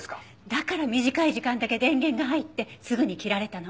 だから短い時間だけ電源が入ってすぐに切られたの。